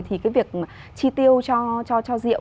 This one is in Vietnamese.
thì cái việc chi tiêu cho rượu